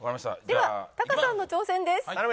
ではタカさんの挑戦です。